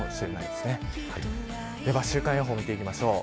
では、週間予報を見ていきましょう。